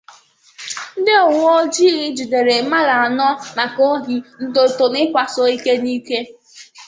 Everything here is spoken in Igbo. Ndị Uwe Ojii Anambra Ejidela Mmadụ Anọ Maka Ohi, Ntọntọ Na Ịkwasò Iko n'Iké